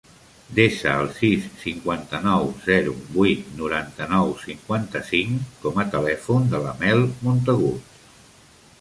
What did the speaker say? Desa el sis, cinquanta-nou, zero, vuit, noranta-nou, cinquanta-cinc com a telèfon de la Mel Montagud.